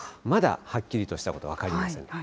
まだはっきりとしたことは分かりません。